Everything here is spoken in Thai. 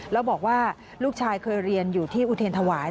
แล้วบอกว่าลูกชายเคยเรียนอยู่ที่อุเทรนธวาย